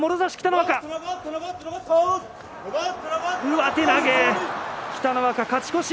上手投げ、北の若、勝ち越し。